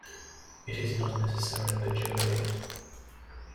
It is not necessarily pejorative.